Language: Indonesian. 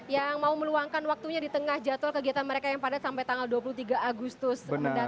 yang mau meluangkan waktunya di tengah jadwal kegiatan mereka yang padat sampai tanggal dua puluh tiga agustus mendatang